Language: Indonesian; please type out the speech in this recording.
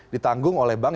ditanggung oleh bank